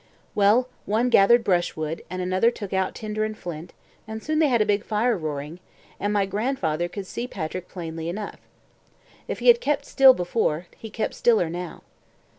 Well, one gathered brushwood, and another took out tinder and flint, and soon they had a big fire roaring, and my grandfather could see Patrick plainly enough. If he had kept still before, he kept stiller now.